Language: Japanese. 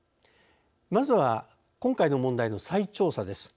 まずは、今回の問題の再調査です。